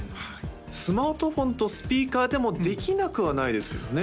スマートフォンとスピーカーでもできなくはないですけどね